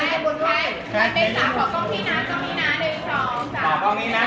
ขอบคุณแม่ก่อนต้องกลางนะครับ